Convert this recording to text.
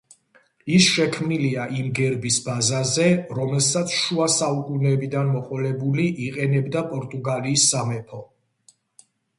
ის შექმნილია იმ გერბის ბაზაზე რომელსაც, შუა საუკუნეებიდან მოყოლებული, იყენებდა პორტუგალიის სამეფო.